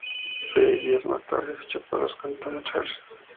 Seis días más tarde fichó por los Canton Charge.